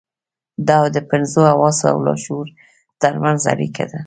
دا د پنځو حواسو او لاشعور ترمنځ اړيکه ده.